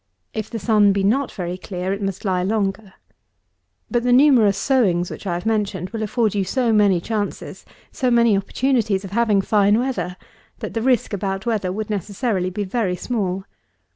If the sun be not very clear, it must lie longer. But the numerous sowings which I have mentioned will afford you so many chances, so many opportunities of having fine weather, that the risk about weather would necessarily be very small.